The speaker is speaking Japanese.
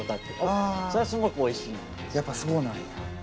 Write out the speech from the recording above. やっぱりそうなんや。